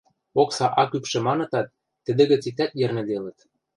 Окса ак ӱпшӹ манытат, тӹдӹ гӹц иктӓт йӹрнӹделыт.